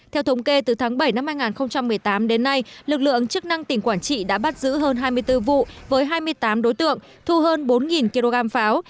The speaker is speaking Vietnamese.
theo thống kê từ tháng bảy năm hai nghìn một mươi tám đến nay lực lượng chức năng tỉnh quảng trị đã bắt giữ hơn hai mươi bốn vụ với hai mươi tám đối tượng thu hơn bốn kg pháo